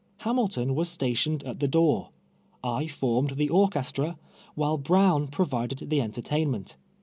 Hamilton was stationed at the door ; I formed the orchestra, wdiile Brown pro vided tiie entertainment.